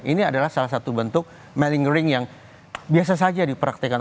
ini adalah salah satu bentuk melingering yang biasa saja dipraktekan